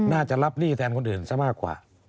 น่าจะรับหนี้แทนคนอื่นซะมากกว่า